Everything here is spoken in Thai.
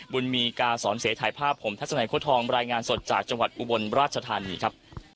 บุญมีกาสอนเสถ่ายภาพผมทัศนัยโค้ทองรายงานสดจากจังหวัดอุบลราชธานีครับ